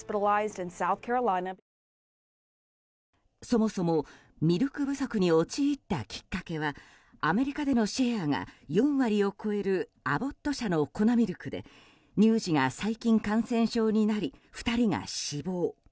そもそもミルク不足に陥ったきっかけはアメリカでのシェアが４割を超えるアボット社の粉ミルクで乳児が細菌感染症になり２人が死亡。